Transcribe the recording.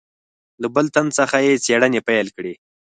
له بل تن څخه یې څېړنې پیل کړې.